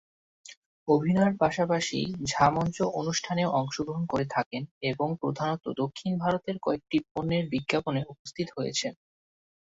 অভিনয়ের পাশাপাশি ঝা মঞ্চ অনুষ্ঠানেও অংশগ্রহণ করে থাকেন এবং প্রধানত দক্ষিণ ভারতে কয়েকটি পণ্যের বিজ্ঞাপনে উপস্থিত হয়েছেন।